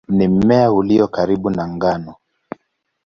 Ni mmea ulio karibu na ngano.